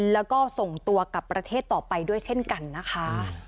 แล้วก็ส่งตัวกลับประเทศต่อไปด้วยเช่นกันนะคะ